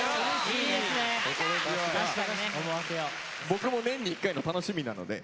僕も年に１回の楽しみなので。